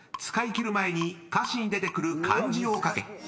使い切る前に歌詞に出てくる漢字を書け］